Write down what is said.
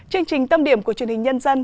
chương trình tâm điểm của truyền hình nhân dân